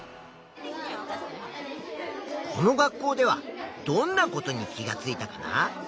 この学校ではどんなことに気がついたかな？